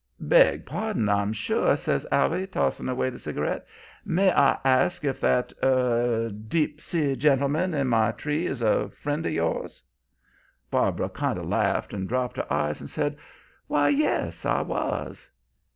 "'Beg pardon, I'm sure,' says Allie, tossing away the cigarette. 'May I ask if that er deep sea gentleman in my tree is a friend of yours?' "Barbara kind of laughed and dropped her eyes, and said why, yes, I was.